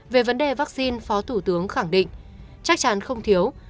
về vấn đề vaccine phó thủ tướng khẳng định chắc chắn không thiếu